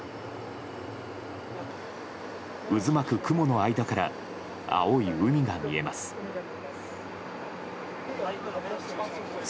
渦巻く雲の間から青い海が見えます。